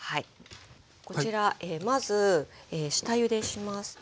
こちらまず下ゆでします。